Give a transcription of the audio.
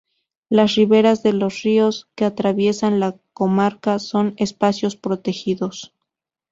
Las riberas de los ríos que atraviesan la comarca son espacios protegidos.